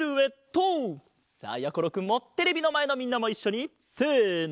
さあやころくんもテレビのまえのみんなもいっしょにせの！